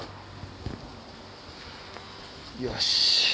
よし。